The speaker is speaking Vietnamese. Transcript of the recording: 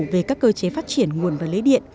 về các cơ chế phát triển nguồn và lưới điện